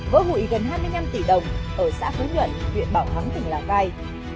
vỡ hủy gần hai mươi năm tỷ đồng ở xã phú nhuận huyện bảo hắm tỉnh lào cai